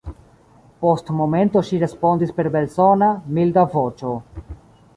Post momento ŝi respondis per belsona, milda voĉo: